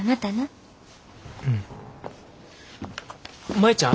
舞ちゃん。